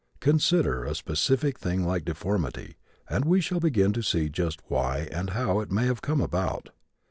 Consider a specific thing like deformity and we shall begin to see just why and how it may have come about.